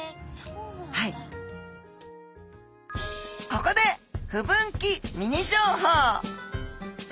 ここで不分岐ミニ情報。